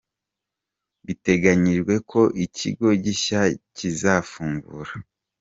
Biteganyijwe ko ikigo gishya kizafungura.